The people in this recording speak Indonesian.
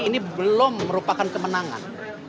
ini belum merupakan kemenangan